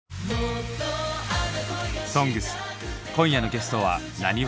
「ＳＯＮＧＳ」今夜のゲストはなにわ男子。